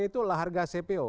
itu adalah harga cpo